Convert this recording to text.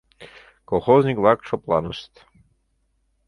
Колхозник-влак шыпланышт.